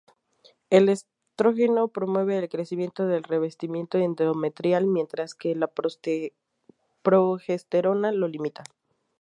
El estrógeno promueve el crecimiento del revestimiento endometrial, mientras que la progesterona lo limita.